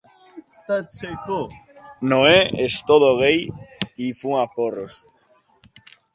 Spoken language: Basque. Hain zuzen ere, hala zela adierazi nion.